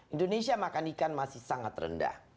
indonesia makan ikan masih sangat rendah